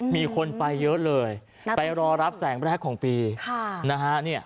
มีคนไปเยอะเลยไปรอรับแสงแรกของปีนะฮะ